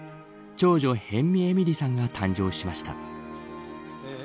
長女辺見えみりさんが誕生しました。